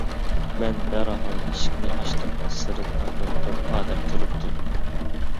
مەن دەرھال ئىشىكنى ئاچتىم، سىرتتا بىر توپ ئادەم تۇرۇپتۇ.